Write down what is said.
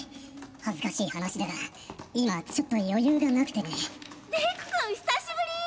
恥ずかしい話だが今ちょっと余裕が無くてねデクくん久しぶり！